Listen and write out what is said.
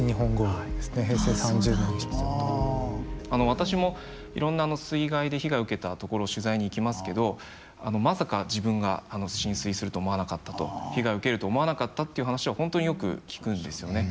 私もいろんな水害で被害を受けた所を取材に行きますけどまさか自分が浸水すると思わなかったと被害を受けると思わなかったっていう話は本当によく聞くんですよね。